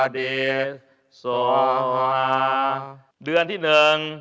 เดือนที่หนึ่ง